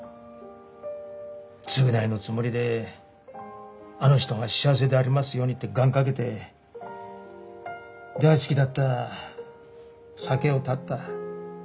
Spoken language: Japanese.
償いのつもりであの人が幸せでありますようにって願かけて大好きだった酒を断った。